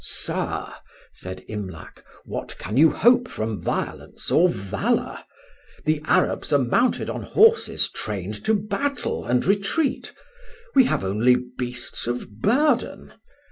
"Sir," said Imlac, "what can you hope from violence or valour? The Arabs are mounted on horses trained to battle and retreat; we have only beasts of burden.